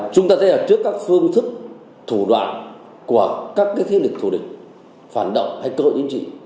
chúng ta thấy trước các phương thức thủ đoạn của các thế lực thù địch phản động hay cơ hội chính trị